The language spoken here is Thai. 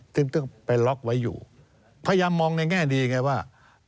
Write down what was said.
ซึ่งต้องไปล็อกไว้อยู่พยายามมองในแง่ดีไงว่า